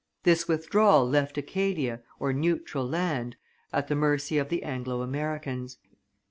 This withdrawal left Acadia, or neutral land, at the mercy of the Anglo Americans.